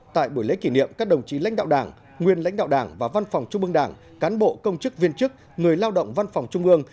tại buổi lễ kỷ niệm các đồng chí lãnh đạo đảng nguyên lãnh đạo đảng và văn phòng trung mương đảng cán bộ công chức viên chức người lao động văn phòng trung ương